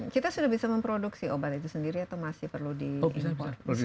kita sudah bisa memproduksi obat itu sendiri atau masih perlu diimpor